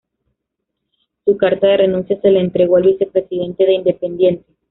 Su carta de renuncia se la entregó al Vicepresidente de Independiente.